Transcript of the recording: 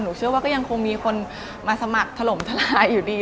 เชื่อว่าก็ยังคงมีคนมาสมัครถล่มทลายอยู่ดี